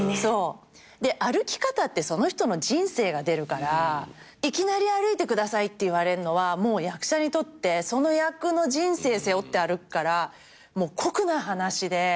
で歩き方ってその人の人生が出るからいきなり歩いてくださいって言われるのは役者にとってその役の人生背負って歩くから酷な話で。